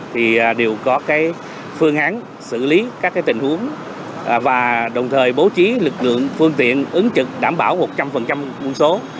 thì đều có phương án xử lý các tình huống và đồng thời bố trí lực lượng phương tiện ứng trực đảm bảo một trăm linh quân số